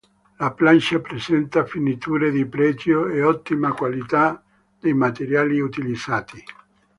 La plancia presenta finiture di pregio e ottima qualità dei materiali utilizzati.